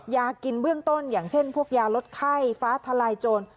ยากินเบื้องต้นอย่างเช่นพวกยาลดไข้ฟ้าทลายโจร